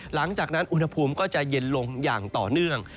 หลังจากนั้นอุณหภูมิก็จะเย็นลงอย่างต่อเนื่อง